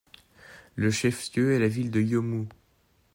Le chef-lieu est la ville de Yomou.